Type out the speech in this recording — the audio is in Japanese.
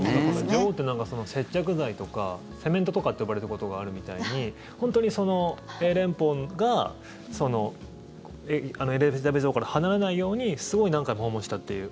女王って接着剤とかセメントとかって呼ばれることがあるみたいに本当に、その英連邦がエリザベス女王から離れないようにすごい何回も訪問したっていう。